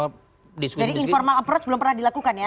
jadi informal approach belum pernah dilakukan ya